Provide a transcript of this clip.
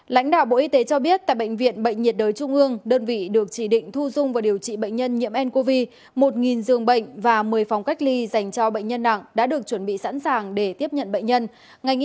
lãnh đạo bộ y tế cho biết tại bệnh viện bệnh nhiệt đới trung ương đơn vị được chỉ định thu dung và điều trị bệnh nhân nhiễm ncov một giường bệnh và một mươi phòng cách ly dành cho bệnh nhân nặng đã được chuẩn bị sẵn sàng để tiếp nhận bệnh nhân